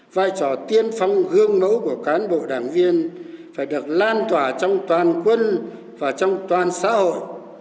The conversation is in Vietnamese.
vai trò tiên phong gương mẫu của cán bộ đảng viên phải được lan tỏa trong toàn quân và trong toàn xã hội